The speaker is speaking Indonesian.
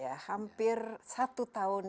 ya hampir satu tahun